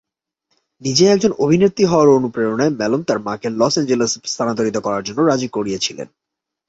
নিজেই একজন অভিনেত্রী হওয়ার অনুপ্রেরণায় ম্যালোন তার মাকে লস অ্যাঞ্জেলেসে স্থানান্তরিত করার জন্য রাজি করিয়েছিলেন।